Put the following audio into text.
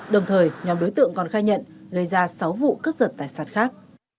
đồng thời nhóm đối tượng còn khai nhận gây ra sáu vụ cướp giật tài sản khác